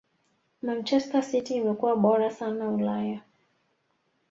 manchester city imekua bora sana ulaya